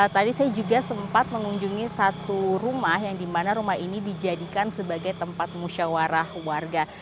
tadi saya juga sempat mengunjungi satu rumah yang dimana rumah ini dijadikan sebagai tempat musyawarah warga